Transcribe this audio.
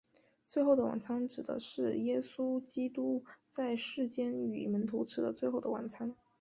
最后的晚餐指的是耶稣基督在世间与门徒吃的最后的晚餐。